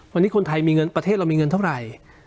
วันนี้คนไทยมีเงินประเทศเรามีเงินเท่าไหร่